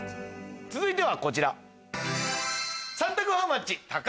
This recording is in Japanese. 続いてはこちら。